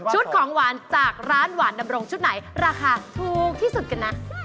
ของหวานจากร้านหวานดำรงชุดไหนราคาถูกที่สุดกันนะ